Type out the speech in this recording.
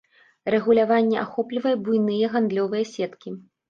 Рэгуляванне ахоплівае буйныя гандлёвыя сеткі.